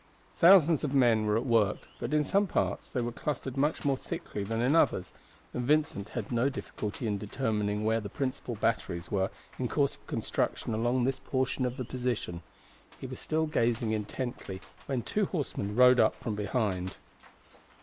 Thousands of men were at work; but in some parts they were clustered much more thickly than in others, and Vincent had no difficulty in determining where the principal batteries were in course of construction along this portion of the position. He was still gazing intently when two horsemen rode up from behind.